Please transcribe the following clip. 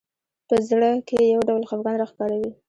په زړه کې یو ډول خفګان راښکاره وي